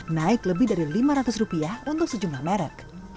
naik lebih dari lima ratus rupiah untuk sejumlah merek